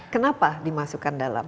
kenapa dimasukkan dalam